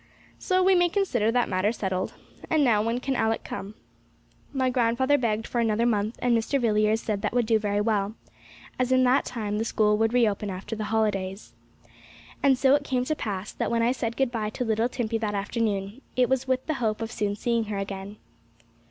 So we may consider that matter settled. And now, when can Alick come?' My grandfather begged for another month, and Mr. Villiers said that would do very well, as in that time the school would reopen after the holidays. And so it came to pass, that when I said good bye to little Timpey that afternoon, it was with the hope of soon seeing her again.